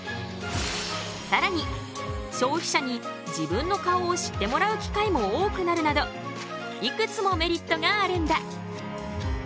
さらに消費者に自分の顔を知ってもらう機会も多くなるなどいくつもメリットがあるんだ！